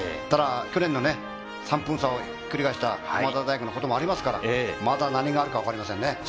ただ去年の３分差をひっくり返した駒澤大学のこともありますから、また何があるかわかりませんね。